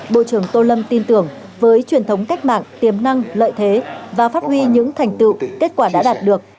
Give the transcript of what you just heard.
bộ trưởng tô lâm tin tưởng với truyền thống cách mạng tiềm năng lợi thế và phát huy những thành tựu kết quả đã đạt được